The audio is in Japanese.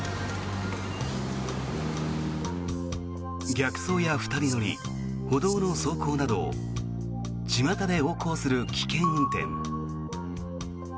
逆走や２人乗り、歩道の走行などちまたで横行する危険運転。